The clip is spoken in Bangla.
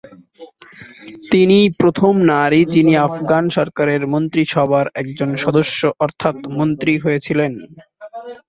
তিনিই প্রথম নারী যিনি আফগান সরকারের মন্ত্রীসভার একজন সদস্য অর্থাৎ মন্ত্রী হয়েছিলেন।